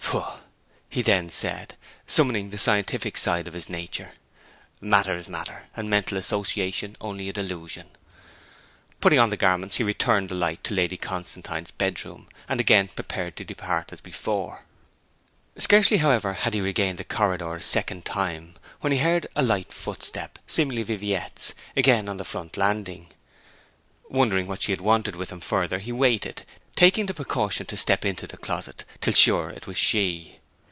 'Pooh,' he then said (summoning the scientific side of his nature), 'matter is matter, and mental association only a delusion.' Putting on the garments he returned the light to Lady Constantine's bedroom, and again prepared to depart as before. Scarcely, however, had he regained the corridor a second time, when he heard a light footstep seemingly Viviette's again on the front landing. Wondering what she wanted with him further he waited, taking the precaution to step into the closet till sure it was she.